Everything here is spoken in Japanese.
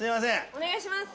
お願いします。